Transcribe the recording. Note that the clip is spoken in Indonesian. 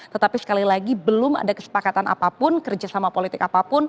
tetapi sekali lagi belum ada kesepakatan apapun kerjasama politik apapun